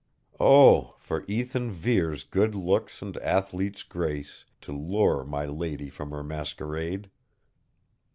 Oh, for Ethan Vere's good looks and athlete's grace, to lure my lady from her masquerade!